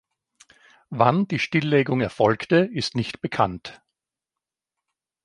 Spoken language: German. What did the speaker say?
Wann die Stilllegung erfolgte, ist nicht bekannt.